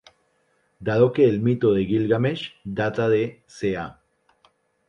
Dado que el mito de Gilgamesh data de "ca".